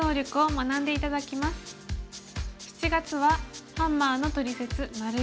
７月は「ハンマーのトリセツ④」。